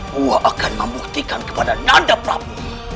gua akan membuktikan kepada nanda prabu